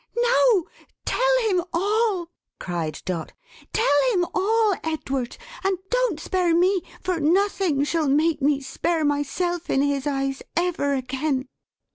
"Now tell him all!" cried Dot. "Tell him all, Edward; and don't spare me, for nothing shall make me spare myself in his eyes, ever again."